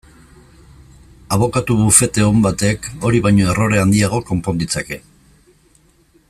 Abokatu bufete on batek hori baino errore handiagoak konpon ditzake.